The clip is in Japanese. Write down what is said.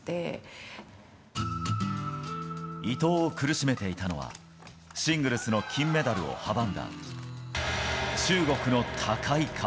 伊藤を苦しめていたのは、シングルスの金メダルを阻んだ中国の高い壁。